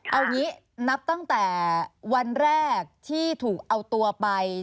เอางี้นับตั้งแต่วันแรกที่ถูกเอาตัวไป